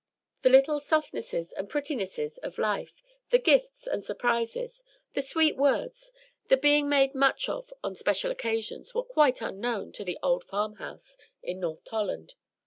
The little softnesses and prettinesses of life, the gifts and surprises, the sweet words, the being made much of on special occasions, were quite unknown to the old farm house in North Tolland.